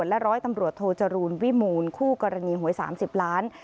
และร้อยตำรวจโทจรูลวิมูลคู่กรณีหวย๓๐ล้าน